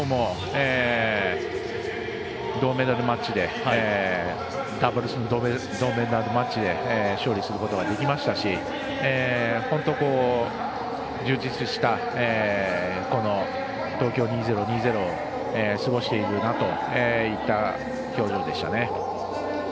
きのうもダブルスで銅メダルマッチで勝利することができましたし充実したこの東京２０２０を過ごしているといった表情でした。